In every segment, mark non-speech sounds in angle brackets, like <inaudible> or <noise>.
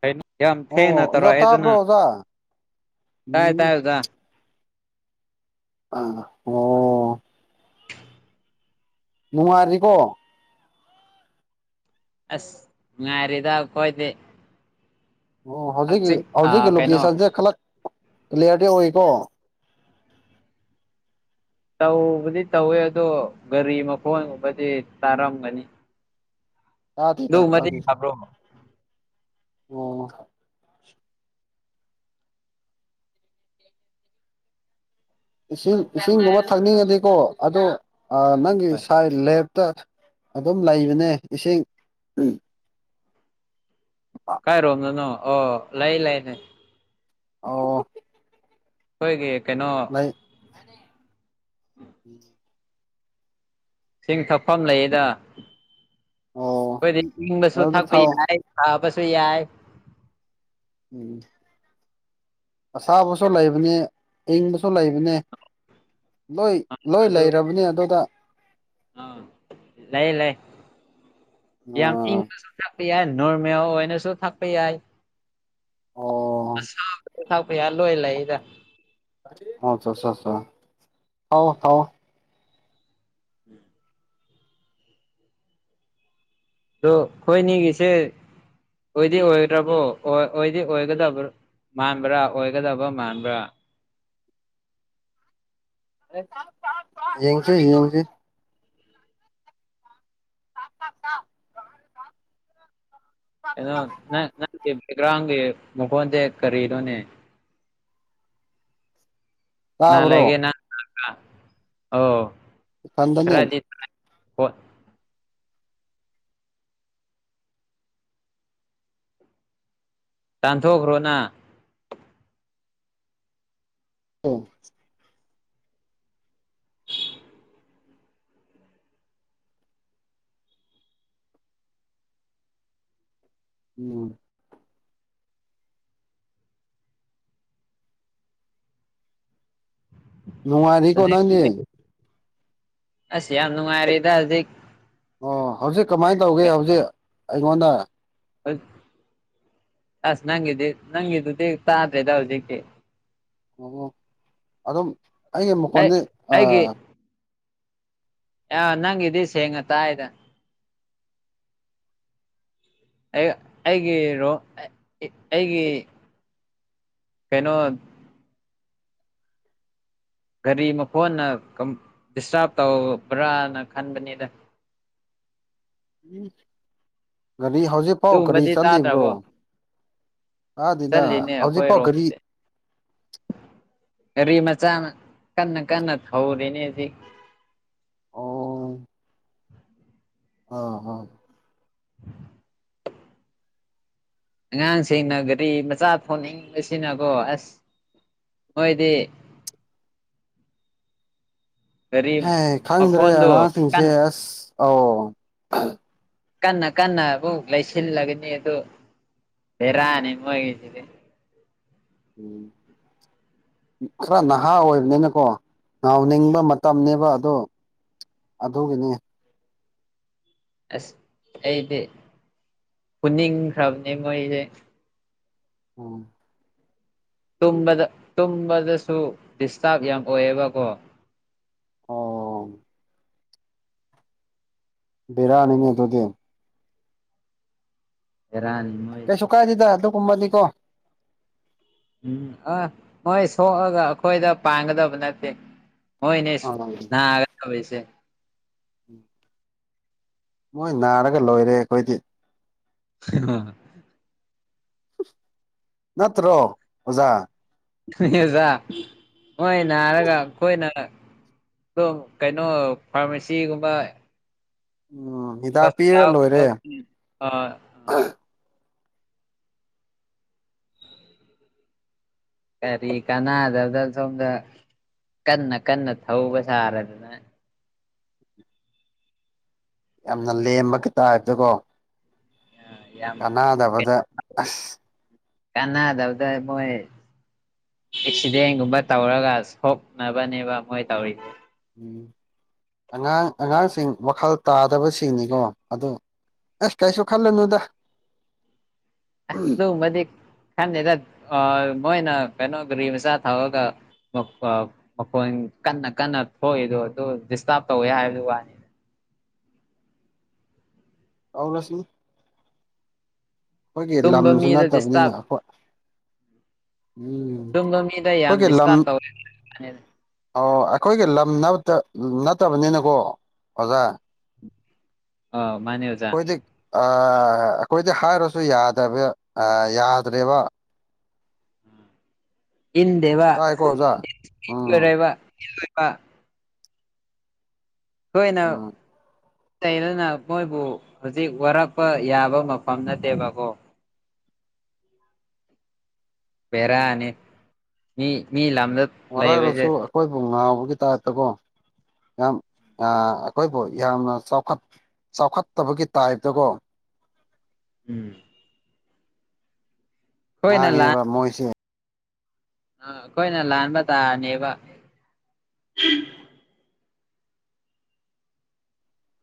ꯀꯩꯅꯣ ꯌꯥꯝ ꯊꯦꯡꯅ ꯑꯣ ꯑꯣꯖꯥ ꯇꯧꯔꯛꯑꯦꯗ ꯇꯥꯕ꯭ꯔꯣ ꯅꯪ ꯑꯣꯖꯥ ꯇꯥꯏꯌꯦ ꯎꯝ ꯇꯥꯏꯌꯦ ꯑꯣꯖꯥ ꯑ ꯑꯣ ꯅꯨꯡꯉꯥꯏꯔꯤꯀꯣ ꯑꯁ ꯅꯨꯡꯉꯥꯏꯔꯤꯗ ꯑꯈꯣꯏꯗꯤ ꯑꯣ ꯍꯧꯖꯤꯛꯀꯤ ꯍꯧꯖꯤꯛꯀꯤ ꯀꯩꯅꯣ ꯂꯣꯀꯦꯁꯟꯁꯦ ꯈꯂꯛ ꯀ꯭ꯂꯤꯌꯥꯔꯗꯤ ꯑꯣꯏꯀꯣ ꯇꯧꯕꯗꯤ ꯇꯧꯋꯦ ꯑꯗꯣ ꯒꯥꯔꯤ ꯃꯈꯣꯟꯒꯨꯝꯕꯗꯤ ꯇꯥꯔꯝꯒꯅꯤ ꯇꯥꯗꯦꯗ <unintelligible> ꯇꯥꯗꯦꯗ ꯐꯕ꯭ꯔꯣ ꯑꯣ ꯏꯁꯤꯡ ꯏꯁꯤꯡꯒꯨꯝꯕ ꯊꯛꯅꯤꯡꯉꯗꯤꯀꯣ ꯑꯗꯣ ꯑ ꯅꯪꯒꯤ ꯍꯣꯏ ꯁꯥꯏꯠ ꯂꯦꯞꯇ ꯑꯗꯨꯝ ꯂꯩꯕꯅꯦ ꯏꯁꯤꯡ ꯀꯥꯏꯔꯣꯝꯗꯅꯣ ꯑꯣ ꯂꯩ ꯂꯩꯅꯦ ꯑꯣ ꯈꯣꯏꯒꯤ ꯀꯩꯅꯣ ꯑꯦ ꯏꯁꯤꯡ ꯊꯛꯐꯝ ꯂꯩꯌꯦꯗ ꯑꯣ ꯑꯈꯣꯏꯗꯤ ꯏꯪꯕꯁꯨ ꯑꯗꯨꯗ ꯊꯛꯄ ꯊꯛꯑꯣ ꯌꯥꯏ ꯁꯥꯕꯁꯨ ꯌꯥꯏ ꯎꯝ ꯑꯁꯥꯕꯁꯨ ꯂꯩꯕꯅꯦ ꯑꯌꯤꯡꯕꯁꯨ ꯂꯩꯕꯅꯦ ꯂꯣꯏ ꯂꯣꯏ ꯂꯩꯔꯕꯅꯤ ꯑꯗꯨꯗ ꯑ ꯂꯩ ꯂꯩ ꯌꯥꯝ ꯑꯥ ꯏꯪꯕꯁꯨ ꯊꯥꯛꯄ ꯌꯥꯏ ꯅꯣꯔꯃꯦꯜ ꯑꯣꯏꯅꯁꯨ ꯊꯥꯛꯄ ꯌꯥꯏ ꯑꯣ ꯑꯥꯁꯥꯕꯁꯨ ꯊꯛꯄ ꯌꯥꯏ ꯂꯣꯏ ꯂꯩꯗ <unintelligible> ꯊꯛꯑꯣ ꯊꯛꯑꯣ ꯎꯝ ꯑꯗꯣ ꯑꯩꯈꯣꯏꯅꯤꯒꯤꯁꯦ ꯑꯣꯏꯗꯤ ꯑꯣꯏꯔꯕꯣ ꯑꯣꯏ ꯑꯣꯏꯗꯤ ꯑꯣꯏꯒꯗꯕ꯭ꯔ ꯃꯥꯟꯕ꯭ꯔꯥ ꯑꯣꯏꯒꯗꯕ ꯃꯥꯟꯕ꯭ꯔꯥ ꯌꯦꯡꯁꯤ ꯌꯦꯡꯁꯤ <unintelligible> ꯀꯩꯅꯣ ꯅꯪ ꯅꯪꯒꯤ ꯕꯦꯛꯒ꯭ꯔꯥꯎꯟꯒꯤ ꯃꯈꯣꯟꯁꯦ ꯀꯔꯤꯔꯣꯅꯦ ꯅꯥ ꯇꯥꯕ꯭ꯔꯣ ꯂꯩꯒꯦ ꯅꯪ ꯑꯣ ꯏꯊꯟꯗꯅꯦ ꯈꯔꯗꯤ <unintelligible> ꯇꯥꯟꯊꯣꯛꯈ꯭ꯔꯣꯅ ꯑꯦ ꯎꯝ ꯅꯨꯡꯉꯥꯏꯔꯤꯀꯣ ꯅꯪꯗꯤ <unintelligible> ꯑꯁ ꯌꯥꯝ ꯅꯨꯡꯉꯥꯏꯔꯦꯗ ꯍꯧꯖꯤꯛ ꯑꯣ ꯍꯧꯖꯤꯛ ꯀꯃꯥꯏ ꯇꯧꯒꯦ ꯍꯧꯖꯤꯛ ꯑꯩꯉꯣꯟꯗ <unintelligible> ꯑꯁ ꯅꯪꯒꯤꯗꯤ ꯅꯪꯒꯤꯗꯨꯗꯤ ꯇꯥꯗꯔꯦꯗ ꯍꯧꯖꯤꯛꯇꯤ <unintelligible> ꯑꯗꯨꯝ ꯑꯩꯒꯤ ꯑꯩ ꯃꯈꯣꯟꯗꯤ ꯑꯥ ꯑꯥ ꯅꯪꯒꯤꯗꯤ ꯁꯦꯡꯅ ꯇꯥꯏꯗ ꯑꯩ ꯑꯩꯒꯤ ꯔꯣ ꯑꯩꯒꯤ ꯀꯩꯅꯣ ꯒꯥꯔꯤ ꯃꯈꯣꯟꯅ ꯀꯥꯝ ꯏ꯭ꯁꯇꯥꯔꯠ ꯇꯧꯕ꯭ꯔꯅ ꯈꯟꯕꯅꯤꯗ ꯎ ꯒꯥꯔꯤ ꯍꯧꯖꯤꯛ ꯄꯥꯎ ꯀꯔꯤ ꯑꯗꯨꯒꯨꯝꯕꯗꯤ ꯈꯜꯂꯤꯕ꯭ꯔꯣ ꯇꯥꯗ꯭ꯔꯕꯣ ꯑꯗꯤꯅ ꯆꯠꯂꯤꯅꯦ ꯍꯧꯖꯤꯛꯐꯥꯎ ꯀꯔꯤ ꯑꯩꯈꯣꯏꯔꯣꯝꯗꯤ ꯒꯥꯔꯤ ꯃꯆꯥꯅ ꯀꯟꯅ ꯀꯟꯅ ꯊꯧꯔꯤꯅꯦ ꯍꯧꯖꯤꯛ ꯑꯣ ꯑꯥ ꯍꯣ ꯑꯉꯥꯡꯁꯤꯡꯅ ꯒꯥꯔꯤ ꯃꯆꯥ ꯊꯧꯅꯤꯡꯕꯁꯤꯅꯀꯣ ꯑꯁ ꯃꯣꯏꯗꯤ ꯒꯥꯔꯤ ꯍꯦ ꯈꯪꯗ꯭ꯔꯦ ꯃꯈꯣꯟꯗꯣ ꯀꯟ ꯑꯉꯥꯡꯁꯤꯡꯁꯦ ꯑꯁ ꯑꯧ ꯀꯟꯅ ꯀꯟꯅ ꯑꯃꯨꯛ ꯂꯩꯁꯤꯜꯂꯒꯅꯤ ꯑꯗꯨ ꯕꯦꯔꯥꯅꯤ ꯃꯣꯏꯒꯤꯁꯤꯗꯤ ꯎꯝ ꯈꯔ ꯅꯍꯥ ꯑꯣꯏꯕꯅꯤꯅꯀꯣ ꯉꯥꯎꯅꯤꯡꯕ ꯃꯇꯝꯅꯦꯕ ꯑꯗꯣ ꯑꯗꯨꯒꯤꯅꯦ ꯑꯁ ꯑꯩꯗꯤ ꯐꯨꯅꯤꯡꯈ꯭ꯔꯕꯅꯦ ꯃꯣꯏꯁꯦ ꯎꯝ ꯇꯨꯝꯕꯗ ꯇꯨꯝꯕꯗꯁꯨ ꯗꯤꯁꯇꯥꯔꯕ ꯌꯥꯝ ꯑꯣꯏꯌꯦꯕꯀꯣ ꯑꯣ ꯕꯤꯔꯥꯅꯤꯅꯦ ꯑꯗꯨꯗꯤ ꯕꯦꯔꯥꯅꯤ ꯀꯩꯁꯨꯨ ꯃꯣꯏꯁꯤꯗꯤ ꯀꯥꯏꯗꯦꯗ ꯑꯗꯨꯒꯨꯝꯕꯗꯤꯀꯣ ꯎꯝ ꯑ ꯍꯣꯏ ꯁꯣꯛꯑꯒ ꯑꯩꯈꯣꯏꯗ ꯄꯥꯡꯒꯗꯕ ꯅꯠꯇꯦ ꯍꯣꯏꯅꯦ ꯑꯥ <unintelligible> <inaudible> ꯃꯣꯏ ꯅꯥꯔꯒ ꯂꯣꯏꯔꯦ ꯑꯩꯈꯣꯏꯗꯤ <unintelligible> ꯅꯠꯇ꯭ꯔꯣ ꯑꯣꯖꯥ <unintelligible> ꯑꯣꯖꯥ ꯃꯣꯏ ꯅꯥꯔꯒ ꯑꯩꯈꯣꯏꯅ ꯑꯣ ꯀꯩꯅꯣ ꯐꯥꯔꯃꯥꯁꯤꯒꯨꯝꯕ ꯎꯝ ꯍꯤꯗꯥꯛ ꯄꯤꯔ ꯍꯣꯁꯄꯤꯇꯥꯜ ꯂꯣꯏꯔꯦ <unintelligible> ꯀꯔꯤ ꯀꯅꯥꯗꯅꯥ ꯁꯣꯝꯗ ꯀꯟꯅ ꯀꯟꯅ ꯊꯧꯕ ꯁꯥꯔꯗꯅꯥ ꯌꯥꯝꯅ ꯂꯦꯝꯕꯀꯤ ꯇꯥꯏꯞ ꯇꯥꯀꯣ ꯌꯥꯝ ꯥꯀꯥꯅꯗꯕꯗ ꯑꯁ ꯀꯥꯟꯅꯗꯕꯗ ꯃꯣꯏ ꯑꯦꯛꯁꯤꯗꯦꯟꯒꯨꯝꯕ ꯇꯧꯔꯒ ꯁꯣꯛꯅꯕꯅꯦꯕ ꯃꯣꯏ ꯇꯧꯔꯤꯁꯦ ꯎꯝ ꯑꯉꯥꯡ ꯑꯉꯥꯡꯁꯤꯡ ꯋꯥꯈꯜ ꯇꯥꯗꯕꯁꯤꯡꯅꯤꯀꯣ ꯑꯗꯨ ꯑꯁ ꯀꯩꯁꯨ ꯈꯜꯂꯨꯅꯨꯗ ꯑꯗꯨꯃꯗꯤ ꯈꯟꯗꯦꯗ ꯑ ꯃꯣꯏꯅ ꯀꯩꯅꯣ ꯒꯥꯔꯤ ꯃꯆꯥ ꯊꯧꯔꯒ ꯃꯈꯣꯟ ꯀꯟꯅ ꯀꯟꯅ ꯊꯣꯛꯏꯗꯣ ꯑꯗꯨ ꯗꯤꯁꯇꯥꯔꯕ ꯇꯧꯋꯦ ꯍꯥꯏꯕ ꯋꯥꯅꯤ ꯑꯧꯂꯁꯤꯃꯤ ꯑꯩꯈꯣꯏꯒꯤ ꯇꯨꯝꯕ ꯂꯝꯁꯨ ꯃꯤꯗ ꯅꯠꯇꯕꯅꯤꯅ ꯗꯤꯁꯇꯥꯔꯕ ꯑꯩꯈꯣꯏ ꯎꯝ ꯇꯨꯝꯕ ꯃꯤꯗ ꯌꯥꯝ ꯑꯩꯈꯣꯏꯒꯤ ꯂꯝ ꯗꯤꯁꯇꯥꯔꯕ ꯇꯧꯋꯦ ꯃꯥꯅꯦ ꯑꯣ ꯑꯩꯈꯣꯏꯒꯤ ꯂꯝ ꯅꯠꯇꯕꯅꯤꯅꯀꯣ ꯑꯣꯖꯥ ꯑ ꯃꯥꯅꯦ ꯑ‌ꯣꯖꯥ ꯑꯩꯈꯣꯏꯗꯤ ꯑꯩꯈꯣꯏꯗꯤ ꯍꯥꯏꯔꯁꯨ ꯌꯥꯗꯕ ꯌꯥꯗ꯭ꯔꯦꯕ ꯍꯗꯦ ꯇꯥꯏꯀꯣ ꯑꯣꯖꯥ ꯋꯥꯔ ꯎꯝ ꯋꯥ <unintelligible> ꯍꯣꯏꯅ ꯎꯝ ꯑꯇꯩꯩꯅꯅ ꯃꯣꯏꯕꯨ ꯍꯧꯖꯤꯛ ꯋꯥꯔꯛꯄ ꯌꯥꯕ ꯃꯐꯝ ꯅꯠꯇꯦꯕꯀꯣ ꯄꯦꯔꯅꯤ ꯃꯤ ꯃꯤ ꯂꯝꯗ ꯂꯩꯕꯁꯦ ꯋꯥꯔꯧꯔꯁꯨ ꯑꯩꯈꯣꯏꯕꯨ ꯉꯥꯎꯕꯒꯤ ꯇꯥꯏꯞꯇꯀꯣ ꯌꯥꯝ ꯑꯩꯈꯣꯏꯕꯨ ꯌꯥꯝꯅ ꯆꯥꯎꯈꯠ ꯆꯥꯎꯈꯠꯇꯕꯒꯤ ꯇꯥꯏꯞꯇꯀꯣ ꯎꯝ ꯑꯩꯈꯣꯏꯅ ꯉꯥꯡꯉꯕ ꯃꯣꯏ ꯑ ꯑꯩꯈꯣꯏꯅ ꯂꯥꯟꯕ ꯇꯥꯅꯦꯕ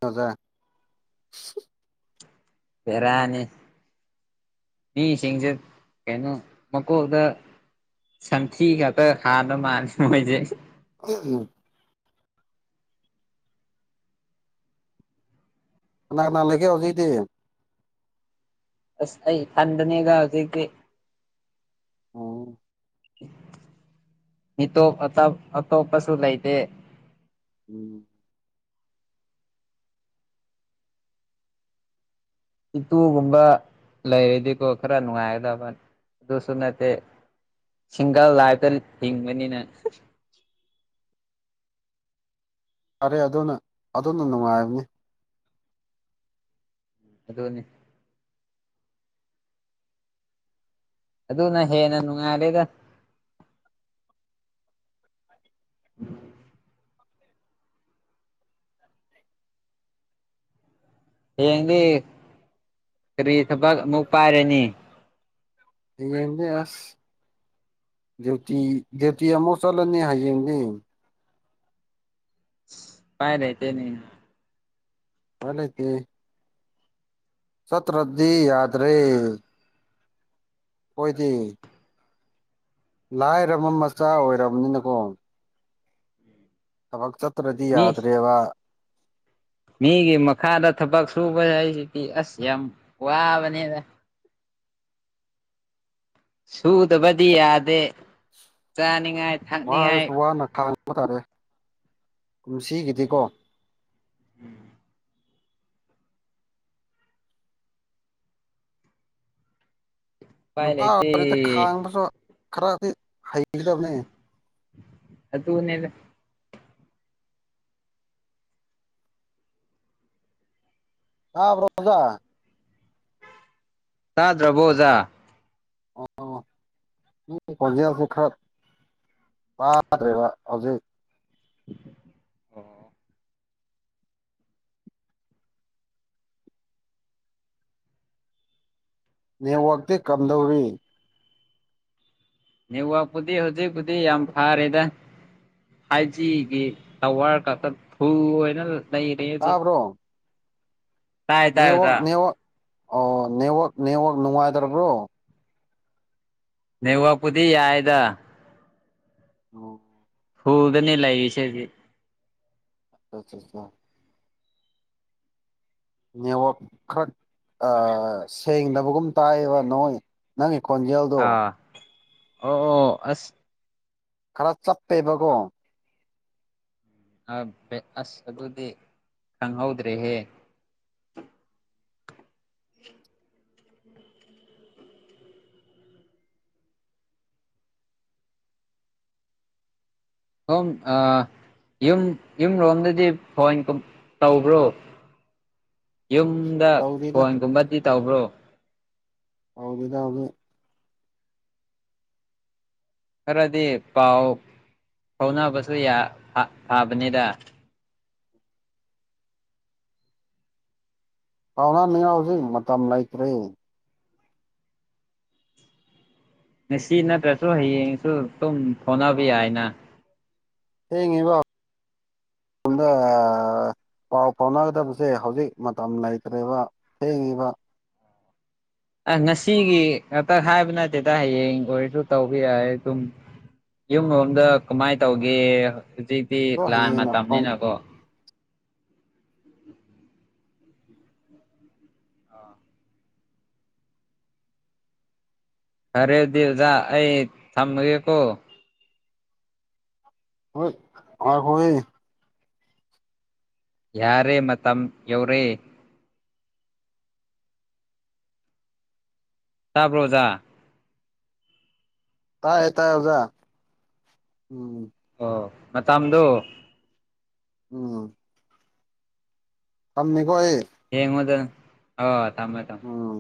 ꯍꯖꯥ ꯕ‌ꯦꯔꯅꯤ ꯃꯤꯁꯤꯡꯁꯦ ꯀꯩꯅꯣ ꯃꯀꯣꯛꯗ ꯁꯟꯊꯤ ꯉꯥꯛꯇ ꯍꯥꯟꯅ ꯃꯥꯅꯤ ꯃꯣꯏꯁꯦ ꯎ <unintelligible> ꯀꯅꯥ ꯀꯅꯥ ꯂꯩꯒ‌ꯦ ꯍꯧꯖꯤꯛꯇꯤ ꯑꯁ ꯑꯩ ꯏꯊꯟꯗꯅꯤꯗ ꯍꯧꯖꯤꯛꯇꯤ ꯑꯣ ꯃꯤ ꯇ‌ꯣꯝ ꯑꯇ‌ꯣꯞ ꯑꯇꯣꯞꯄꯁꯨ ꯂꯩꯇ‌ꯦ ꯎꯝ ꯏꯇꯨꯒꯨꯝꯕ ꯂꯩꯔꯗꯤꯀꯣ ꯈꯔ ꯅꯨꯡꯉꯥꯏꯒꯗꯕ ꯑꯗꯨꯁꯨ ꯅꯠꯇꯦ ꯁꯤꯡꯒꯜ ꯂꯥꯏꯐꯇ ꯍꯤꯡꯕꯅꯤꯅ ꯐꯔꯦ ꯑꯗꯨꯅ ꯑꯗꯣꯝꯅ ꯅꯨꯡꯉꯥꯏꯔꯝꯅꯤ ꯑꯗꯨꯅꯤ ꯑꯗꯨꯅ ꯍꯦꯟꯅ ꯅꯨꯡꯉꯥꯜꯂꯦꯗ ꯎ <inaudible> ꯍꯌꯦꯡꯗꯤ ꯀꯔꯤ ꯊꯕꯛ ꯑꯃꯨꯛ ꯄꯥꯏꯔꯅꯤ ꯌꯦ ꯀꯗꯤ ꯑꯁ <unintelligible> ꯗꯌꯨꯇꯤ ꯗꯌꯨꯇꯤ ꯑꯃꯨꯛ ꯆꯠꯂꯅꯤ ꯍꯌꯦꯡꯗꯤ ꯄꯥꯏ ꯔꯦꯇꯦꯅꯦ ꯋꯥꯟ ꯑ‌ꯦꯇꯤ ꯆꯠꯇꯔꯗꯤ ꯌꯥꯗ꯭ꯔ‌ꯦ ꯑꯣꯏꯗꯤ ꯂꯥꯏꯔꯕ ꯃꯆꯥ ꯑꯣꯏꯔꯕꯅꯤꯅꯀꯣ ꯊꯕꯛ ꯆꯠꯇ꯭ꯔꯗꯤ ꯃꯤ ꯌꯥꯗ꯭ꯔꯦꯕ ꯃꯤꯒꯤ ꯃꯈꯥꯗ ꯊꯕꯛ ꯁꯨꯕ ꯍꯥꯏꯁꯤꯗꯤ ꯑꯁ ꯌꯥꯝ ꯋꯥꯕꯅꯦꯗ ꯁꯨꯗꯕꯗꯤ ꯌꯥꯗꯦ ꯆꯥꯅꯤꯡꯉꯥꯏ ꯋꯥꯔꯁꯨ ꯊꯛꯅꯤꯡꯉꯥꯏ ꯋꯥꯅ ꯈꯥꯡꯕ ꯇꯥꯔꯦ ꯀꯨꯝꯁꯤꯒꯤꯗꯤꯀꯣ ꯎꯝ ꯎꯄꯥꯏ ꯅꯨꯄꯥ ꯂꯩꯇꯦ ꯑꯣꯏꯔꯤꯗ ꯈꯥꯡꯕꯁꯨ ꯈꯔꯗꯤ ꯍꯩꯒꯗꯧꯕꯅꯦ ꯑꯗꯨꯅꯦꯗ ꯇꯥꯕ꯭ꯔꯣ ꯑꯣꯖꯥ? ꯇꯥꯗ꯭ꯔꯕꯣ ꯑꯣꯖꯥ? ꯑꯣ ꯑꯣ ꯅꯪꯒꯤ ꯈꯣꯟꯖꯦꯜꯁꯦ ꯈ꯭ꯔꯕ ꯇꯥꯗ꯭ꯔꯦꯕ ꯍꯧꯖꯤꯛ ꯑꯣ ꯅꯦꯠꯋꯥꯛꯇꯤ ꯀꯝꯗꯧꯔꯤ? ꯅꯦꯠꯋꯥꯛ ꯄꯨꯗꯤ ꯍꯧꯖꯤꯛ ꯄꯨꯗꯤ ꯌꯥꯝ ꯐꯥꯔꯦꯗꯥ ꯍꯥꯏꯖꯤꯒꯤ ꯇꯋꯥꯔ ꯈꯛꯇ ꯐꯨꯜ ꯑꯣꯏꯅ ꯂꯩꯔꯦ ꯍꯧꯖꯤꯛ ꯇꯥꯕ꯭ꯔꯣ ꯇꯥꯏ ꯇꯥꯏ ꯅꯦꯠꯋꯥꯛ ꯑꯣꯖꯥ ꯅꯦꯠꯋꯥꯛ ꯑꯣ ꯅꯦꯠꯋꯥꯛ ꯅꯦꯠꯋꯥꯛ ꯅꯨꯡꯉꯥꯏꯇ꯭ꯔꯕ꯭ꯔꯣ? ꯅꯦꯠꯋꯥꯛ ꯄꯨꯗꯤ ꯌꯥꯏꯗ ꯑꯣ ꯐꯨꯜꯗꯅꯦ ꯂꯩꯔꯤꯁꯦ ꯍꯧꯖꯤꯛ <unintelligible> ꯅꯦꯠꯋꯛ ꯈꯔ ꯑꯥ ꯁꯦꯡꯗꯕꯒꯨꯝ ꯇꯥꯏꯌꯦꯕ ꯅꯣꯏ ꯅꯪꯒꯤ ꯈꯣꯟꯖꯦꯜꯗꯣ ꯑꯧ ꯑꯣ ꯑꯁ ꯈꯔ ꯆꯞꯄꯦꯕꯀꯣ ꯑꯥ ꯕꯦꯛ ꯑꯁ ꯑꯗꯨꯗꯤ ꯈꯪꯍꯧꯗ꯭ꯔꯦꯍꯦ ꯁꯣꯝ ꯑꯥ ꯌꯨꯝ ꯌꯨꯝ ꯔꯣꯝꯗꯗꯤ ꯐꯣꯟ ꯀꯨꯝ ꯇꯧꯕ꯭ꯔꯣ? <inaudible> ꯌꯨꯝꯗꯥ ꯇꯧꯗꯦꯗ ꯐꯣꯟ ꯒꯨꯝꯕꯗꯤ ꯇꯧꯕ꯭ꯔꯣ? ꯇꯧꯗꯦꯗꯥ ꯃꯤꯠ ꯈꯔꯗꯤ ꯄꯥꯎ ꯐꯥꯎꯅꯕꯁꯨ ꯌꯥ ꯑꯥ ꯐꯥ ꯐꯥꯕꯅꯤꯗ ꯄꯥꯎꯅꯅꯤꯉꯥꯏ ꯍꯧꯖꯤꯛ ꯃꯇꯝ ꯂꯩꯇ꯭ꯔꯦ ꯉꯁꯤ ꯅꯠꯇ꯭ꯔꯁꯨ ꯍꯌꯦꯡꯁꯨ ꯇꯨꯝ ꯐꯥꯎꯅꯕ ꯌꯥꯏꯅ ꯊꯦꯡꯉꯦꯕꯧ ꯇꯝꯗꯥ ꯑꯥ ꯄꯥꯎ ꯐꯥꯎꯅꯒꯗꯕꯁꯦ ꯍꯧꯖꯤꯛ ꯃꯇꯝ ꯂꯩꯇ꯭ꯔꯦꯕ ꯊꯦꯡꯉꯦꯕ ꯑꯥ ꯉꯁꯤꯒꯤ ꯉꯥꯛꯇꯡ ꯍꯥꯏꯕ ꯅꯠꯇꯦꯗ ꯍꯌꯦꯡ ꯑꯣꯏꯔꯁꯨ ꯇꯧꯕꯌꯥꯌꯦ ꯑꯗꯨꯝ ꯌꯨꯝꯔꯣꯝꯗ ꯀꯃꯥꯏ ꯇꯧꯒꯦ ꯍꯥ ꯍꯧꯖꯤꯛꯇꯤ ꯑꯗꯣ ꯂꯥꯟ ꯍꯌꯦꯡꯅ ꯐꯣꯟ ꯃꯇꯝꯅꯤꯅꯀꯣ? ꯌꯥꯔꯦ ꯑꯗꯨꯗꯤ ꯑꯣꯖꯥ ꯑꯩ ꯊꯝꯃꯒꯦꯀꯣ ꯍꯣꯏ ꯉꯥꯏꯈꯣꯍꯦ ꯌꯥꯔꯦ ꯃꯇꯝ ꯌꯧꯔꯦ ꯇꯥꯕ꯭ꯔꯣ ꯑꯣꯖꯥ? ꯇꯥꯏꯌꯦ ꯇꯥꯏꯌꯦ ꯑꯣꯖꯥ ꯎꯝ ꯑꯣ ꯃꯇꯝꯗꯣ ꯎꯝ ꯇꯝꯃꯦꯀꯣ ꯑꯩ ꯌꯦꯡꯉꯣꯗꯨꯝ ꯑꯣ ꯊꯝꯃꯣ ꯊꯝꯃꯣ ꯎꯝ